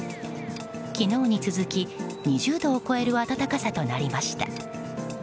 昨日に続き２０度を超える暖かさとなりました。